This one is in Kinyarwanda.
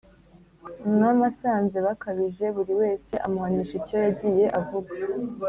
umwami asanze bakabije, buri wese amuhanisha icyo yagiye avuga.